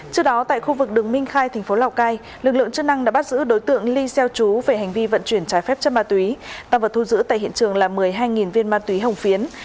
trước đó tại khu vực đường minh khai thành phố lào cai lực lượng chức năng đã bắt giữ đối tượng ly xeo chú về hành vi vận chuyển trái phép chất ma túy tăng vật thu giữ tại hiện trường là một mươi hai viên ma túy hồng phiến